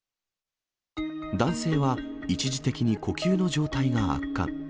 男性は、一時的に呼吸の状態が悪化。